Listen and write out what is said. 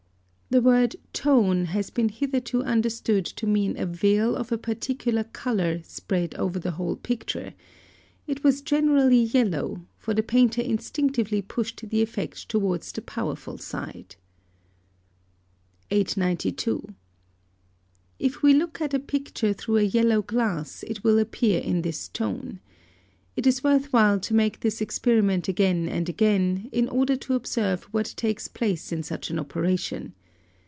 The word tone has been hitherto understood to mean a veil of a particular colour spread over the whole picture; it was generally yellow, for the painter instinctively pushed the effect towards the powerful side. 892. If we look at a picture through a yellow glass it will appear in this tone. It is worth while to make this experiment again and again, in order to observe what takes place in such an operation.